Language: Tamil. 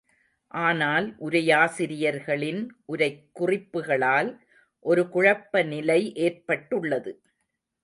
ஆனால், உரையாசிரியர்களின் உரைக் குறிப்புகளால் ஒரு குழப்ப நிலை ஏற்பட்டுள்ளது.